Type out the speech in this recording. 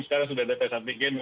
sekarang sudah ada tes anti geng